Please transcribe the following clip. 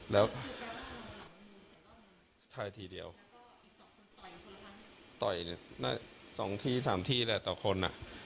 แล้วสุดท้ายทีเดียวต่อย๒๓ที่แหละต่อคนละ